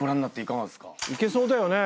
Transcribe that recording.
いけそうだよね。